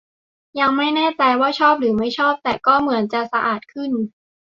ยังไม่แน่ใจว่าชอบหรือไม่ชอบ แต่ก็เหมือนจะสะอาดขึ้น